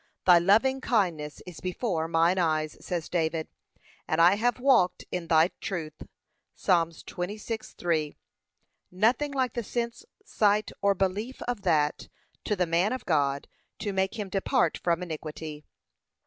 'Thy loving kindness is before mine eyes,' says David, 'and I have walked in thy truth.' (Psa. 26:3) Nothing like the sense, sight, or belief of that, to the man of God, to make him depart from iniquity.